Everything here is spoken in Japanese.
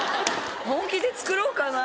本気で作ろうかな？